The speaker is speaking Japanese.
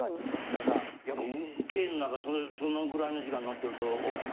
軽の中そのぐらいの時間乗ってると。